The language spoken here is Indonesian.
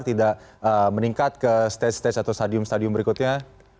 tidak meningkat ke stage stage atau stadium stadium berikutnya